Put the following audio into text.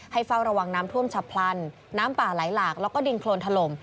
เฝ้าระวังน้ำท่วมฉับพลันน้ำป่าไหลหลากแล้วก็ดินโครนถล่ม